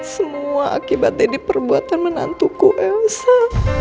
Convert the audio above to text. semua akibat jadi perbuatan menantuku elsa